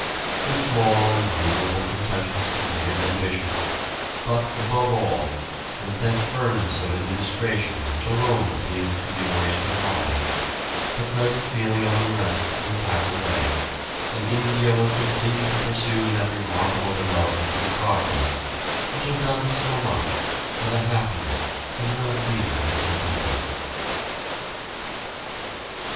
With small and reasonable concessions to native ambition, but, above all, with that firmness of administration which alone appeals to the Oriental mind, the present feeling of unrest will pass away, and India will continue to pursue that remarkable development and progress which have done so much for the happiness and well being of her people.